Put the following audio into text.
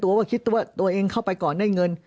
เพราะอาชญากรเขาต้องปล่อยเงิน